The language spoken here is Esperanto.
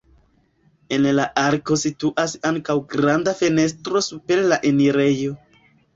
En la arko situas ankaŭ granda fenestro super la enirejo.